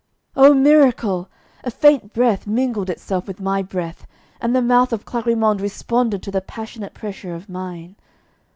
Oh, miracle! A faint breath mingled itself with my breath, and the mouth of Clarimonde responded to the passionate pressure of mine.